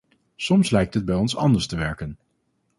Soms lijkt het bij ons anders te werken.